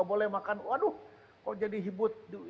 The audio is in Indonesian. aduh kok hidup jadi hibut